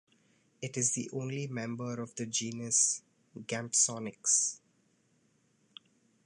It is the only member of the genus "Gampsonyx".